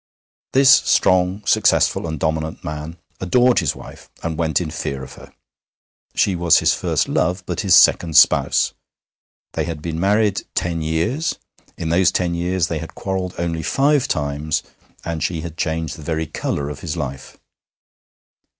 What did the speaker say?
This strong, successful, and dominant man adored his wife, and went in fear of her. She was his first love, but his second spouse. They had been married ten years. In those ten years they had quarrelled only five times, and she had changed the very colour of his life.